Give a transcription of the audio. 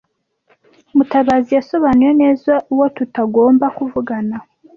Mutabazi yasobanuye neza uwo tutagomba kuvugana.